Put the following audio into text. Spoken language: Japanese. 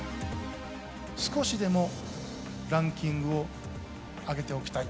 少しでもランキングを上げておきたい。